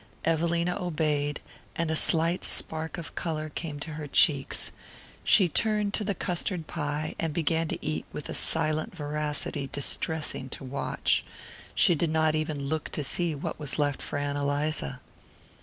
Evelina obeyed, and a slight spark of colour came into her cheeks. She turned to the custard pie and began to eat with a silent voracity distressing to watch. She did not even look to see what was left for Ann Eliza.